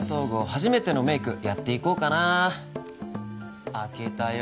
初めてのメイクやっていこうかな開けたよ